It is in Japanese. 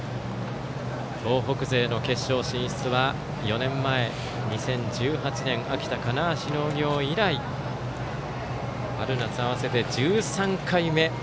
東北勢の決勝進出は４年前、２０１８年秋田・金足農業以来春夏合わせて１３回目。